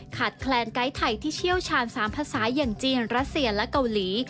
แคลนไกด์ไทยที่เชี่ยวชาญ๓ภาษาอย่างจีนรัสเซียและเกาหลี